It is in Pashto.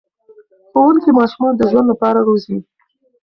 ښوونکي ماشومان د ژوند لپاره روزي.